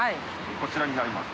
こちらになります。